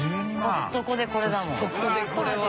「コストコ」でこれは。